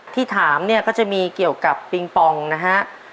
ที่ถามเนี่ยก็จะมีเกี่ยวกับปิงปองนะฮะ